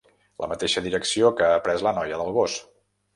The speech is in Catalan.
La mateixa direcció que ha pres la noia del gos.